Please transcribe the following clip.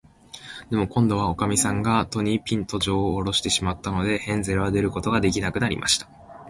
でも、こんどは、おかみさんが戸に、ぴんと、じょうをおろしてしまったので、ヘンゼルは出ることができなくなりました。